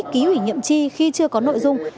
ký ủy nhiệm chi khi chưa có nội dung